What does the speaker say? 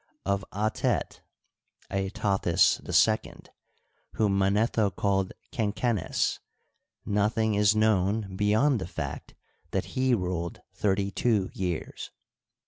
Of Atet {Atothis II), whom Manetho called Kenkenes, nothing is known beyond the fact that he ruled thirty two years.